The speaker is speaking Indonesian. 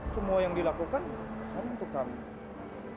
semua yang dilakukan hanya untuk kami